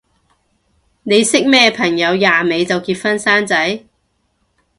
你識咩朋友廿尾就結婚生仔？